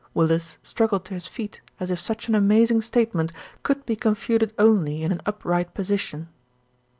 Willis struggled to his feet, as if such an amazing statement could be con futed only in an upright position.